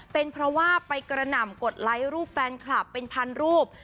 เป็นเพราะว่าไปกระหน่ำกดไลค์รูปแฟนคลับเป็นพันรูป